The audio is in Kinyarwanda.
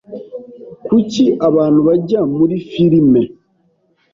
Kuki abantu bajya muri firime?